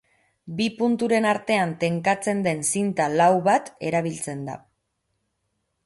Bi punturen artean tenkatzen den zinta lau bat erabiltzen da.